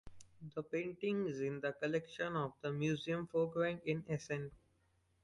The painting is in the collection of the Museum Folkwang in Essen.